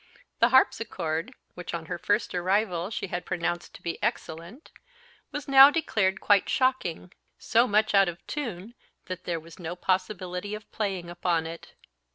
The harpsichord, which, on her first arrival, she had pronounced to be excellent, was now declared quite shocking; so much out of tune that there was no possibility of playing upon it.